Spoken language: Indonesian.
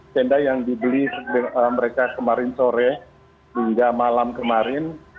tenda yang dibeli mereka kemarin sore hingga malam kemarin